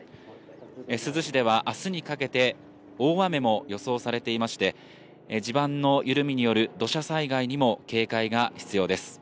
珠洲市では明日にかけて大雨も予想されていまして、地盤の緩みによる土砂災害にも警戒が必要です。